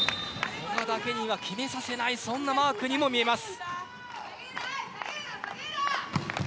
古賀だけには決めさせないそんなマークに見えます。